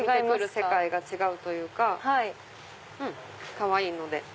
世界が違うというかかわいいので。